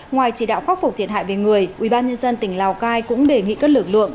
ngoài chỉ đạo khắc phục thiệt hại về người ubnd tỉnh lào cai cũng đề nghị các lực lượng